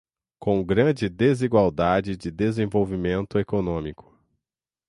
com grande desigualdade de desenvolvimento econômico